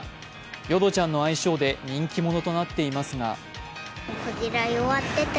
ヨドちゃんの愛称で人気者となっていますが。